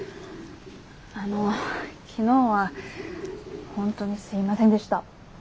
あの昨日は本当にすいませんでした。